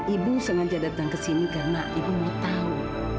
ibu sengaja datang ke sini karena ibu mau tahu